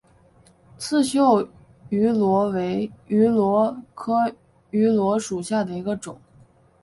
刺绣芋螺为芋螺科芋螺属下的一个种。